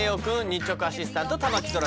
日直アシスタント